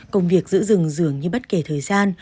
công việc giữ rừng dường như bất kể thời gian